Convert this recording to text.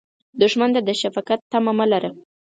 دښمن ته د شفقت تمه مه لره